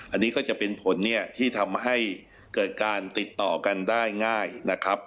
อันนี้ก็จะเป็นผลเนี่ยที่ทำให้เกิดการติดต่อกันได้ง่ายนะครับ